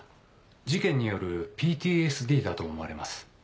事件によるＰＴＳＤだと思われます。